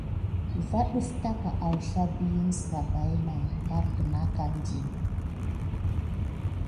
Dəf katergən awsla biyin sa? Ka diy pay na bare kidanti.